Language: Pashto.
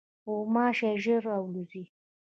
غوماشې ژر الوزي.